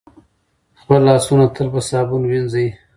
خپل لاسونه تل په صابون وینځئ.